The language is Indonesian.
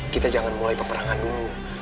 kita jangan mulai peperangan dulu